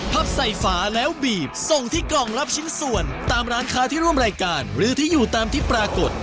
ใส่ฝาแล้วบีบส่งที่กล่องรับชิ้นส่วนตามร้านค้าที่ร่วมรายการหรือที่อยู่ตามที่ปรากฏ